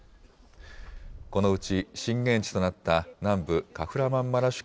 このうち震源地となった南部カフラマンマラシュ